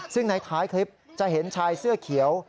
ซึ่งในท้ายคลิปจะเห็นชายเสื้อเขียว